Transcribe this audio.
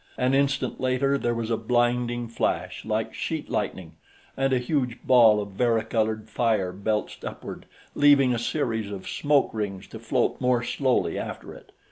An instant later, there was a blinding flash, like sheet lightning, and a huge ball of varicolored fire belched upward, leaving a series of smoke rings to float more slowly after it.